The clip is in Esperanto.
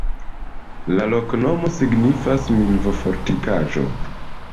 La loknomo signifas: milvo-fortikaĵo.